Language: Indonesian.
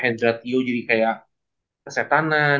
hedra tio jadi kayak kesetanan